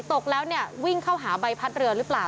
ตกแล้วเนี่ยวิ่งเข้าหาใบพัดเรือหรือเปล่า